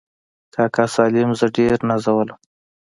کاکا سالم زه ډېر نازولم.